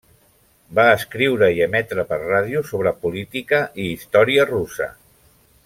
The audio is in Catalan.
Va escriure i emetre per ràdio sobre política i història russa.